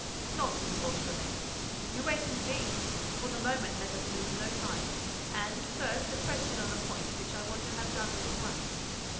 "Nonsense, Beautrelet—" "You wait and see! For the moment, let us lose no time. And, first, a question on a point which I want to have done with at once.